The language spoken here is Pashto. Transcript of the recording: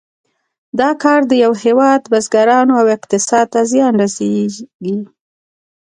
دا کار د یو هېواد بزګرانو او اقتصاد ته زیان رسیږي.